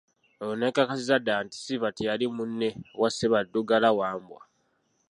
Oolwo ne nkakasiza ddala nti Silver teyali munne wa Ssebaddugala-Wambwa.